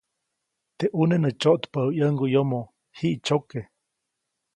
Teʼ ʼuneʼ nä tsyoʼtpäʼu ʼyäŋguʼyomo, jiʼtsyoke.